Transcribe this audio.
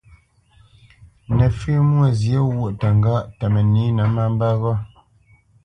Nəfʉ́ Mwôzyě ghwôʼ təŋgáʼ tə mənǐnə má mbə́ ghó.